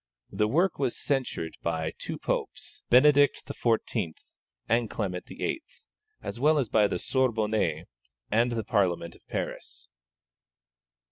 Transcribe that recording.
The work was censured by two Popes, Benedict XIV. and Clement XIII., as well as by the Sorbonne and the Parliament of Paris.